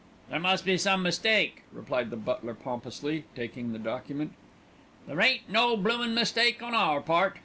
"There must be some mistake," replied the butler pompously, taking the document. "There ain't no bloomin' mistake on our part.